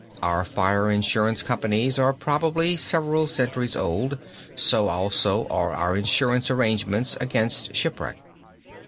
Our fire insurance companies are probably several centuries old, so also are our insurance arrangements against shipwreck.